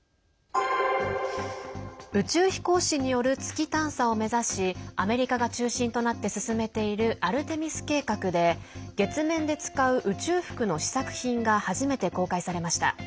宇宙飛行士による月探査を目指しアメリカが中心となって進めているアルテミス計画で月面で使う宇宙服の試作品が初めて公開されました。